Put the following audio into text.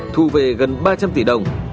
thu về gần ba trăm linh tỷ đồng